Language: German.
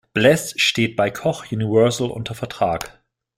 Bless steht bei Koch Universal unter Vertrag.